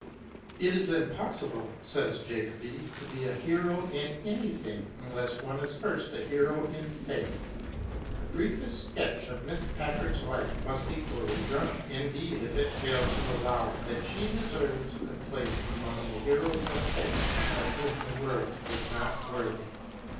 " It is impossible," says Jacoby, '* to be a hero in anything unless one is first a hero in faith." The briefest sketch of Miss Pack ard's life must be poorly drawn indeed if it fail to show that she deserves a place among those heroes of £dth ''of whom the world 347 was not worthy."